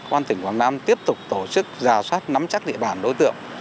quan tỉnh quảng nam tiếp tục tổ chức ra soát nắm chắc địa bàn đối tượng